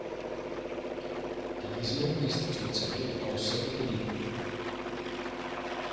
Diese ist zurzeit außer Betrieb.